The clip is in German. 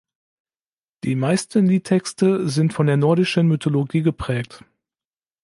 Die meisten Liedtexte sind von der nordischen Mythologie geprägt.